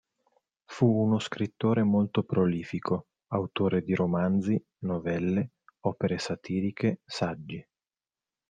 Fu uno scrittore molto prolifico, autore di romanzi, novelle, opere satiriche, saggi.